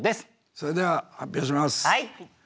それでは発表します。